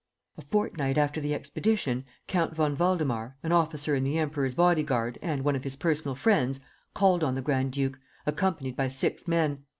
"A fortnight after the expedition, Count von Waldemar, an officer in the Emperor's body guard and one of his personal friends, called on the grand duke, accompanied by six men.